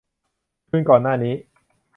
คืนก่อนหน้านี้